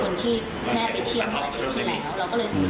เป็นคนที่แม่ไปเที่ยงเมื่ออาทิตย์ที่แล้ว